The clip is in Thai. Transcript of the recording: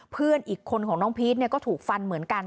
เพื่อนอีกคนของน้องพีชก็ถูกฟันเหมือนกัน